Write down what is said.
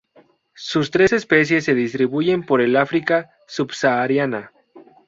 Sus tres especies se distribuyen por el África subsahariana.